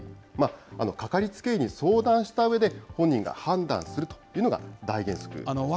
掛かりつけ医に相談したうえで、本人が判断するというのが大原則ですね。